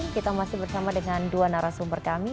kita masih bersama dengan dua narasumber kami